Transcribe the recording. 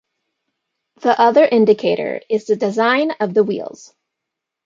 The other indicator is the design of the wheels.